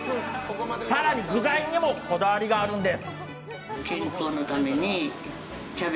更に具材にもこだわりがあるんです。